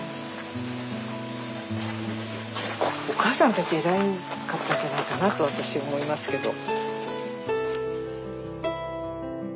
おかあさんたち偉かったんじゃないかなと私思いますけど。